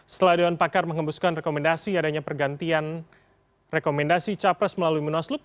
setelah dewan pakar mengembuskan rekomendasi adanya pergantian rekomendasi capres melalui munaslup